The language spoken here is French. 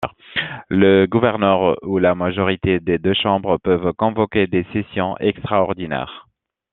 Le gouverneur ou la majorité des deux chambres peuvent convoquer des sessions extraordinnaires.